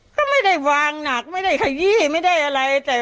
ก็ไม่ได้วางหนักไม่ได้ขยี้ไม่ได้อะไร